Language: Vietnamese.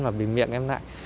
và bị miệng em lại